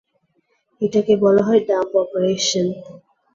এটাকে বলা হয় ডাম্প অপারেশন।